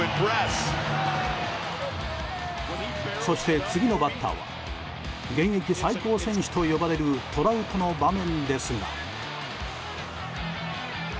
そして次のバッターは現役最高選手と呼ばれるトラウトの場面ですが。